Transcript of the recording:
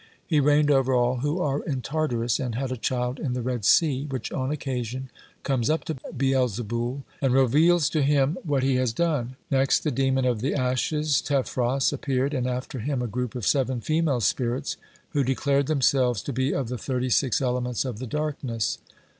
He reigned over all who are in Tartarus, and had a child in the Red Sea, which on occasion comes up to Beelzeboul and reveals to him what he has done. Next the demon of the Ashes, Tephros, appeared, and after him a group of seven female spirits, who declared themselves to be of the thirty six elements of the darkness.